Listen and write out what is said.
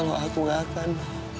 kalau aku nggak akan